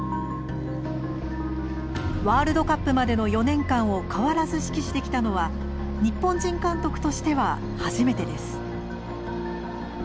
ワールドカップまでの４年間を変わらず指揮してきたのは日本人監督としては初めてです。